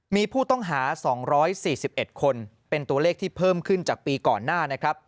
มีผู้ต้องหา๒๔๑คนเป็นตัวเลขที่เพิ่มขึ้นจากปีก่อนหน้านะครับ